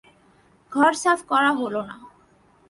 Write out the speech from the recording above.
ঘর সাফ করা হল না।